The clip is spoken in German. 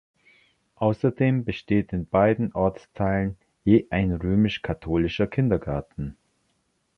Außerdem besteht in beiden Ortsteilen je ein römisch-katholischer Kindergarten.